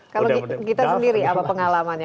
kalau kita sendiri apa pengalamannya